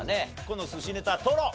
この寿司ネタトロ。